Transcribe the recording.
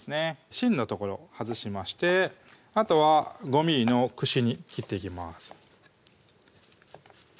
芯の所を外しましてあとは５ｍｍのくしに切っていきます